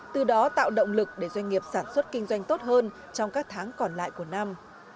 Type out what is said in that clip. từ đó tạo động lực để doanh nghiệp sản xuất kinh doanh tốt hơn trong các tháng còn lại của năm